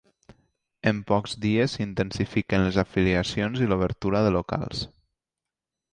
En pocs dies s'intensifiquen les afiliacions i l'obertura de locals.